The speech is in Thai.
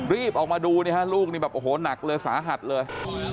รีบออกมาดูนี่ฮะลูกนี่แบบโอ้โหหนักเลยสาหัสเลย